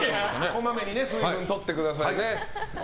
こまめに水分とってくださいね。